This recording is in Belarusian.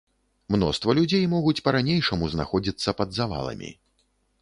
Мноства людзей могуць па-ранейшаму знаходзіцца пад заваламі.